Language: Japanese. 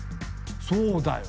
そうだよ。